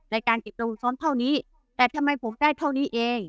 ในการเก็บตัวซ้อนเท่านี้แต่ทำไมผมได้เท่านี้เอง